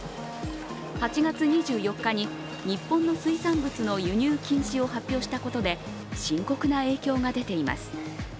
８月２４日に日本の水産物の輸入禁止を発表したことで深刻な影響が出ています。